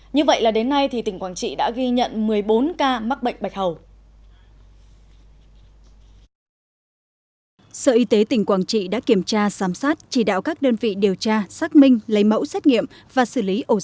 như vậy là đến nay thì tỉnh quảng trị đã ghi nhận một mươi bốn ca mắc bệnh bạch hầu